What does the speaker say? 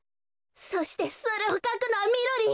そしてそれをかくのはみろりん！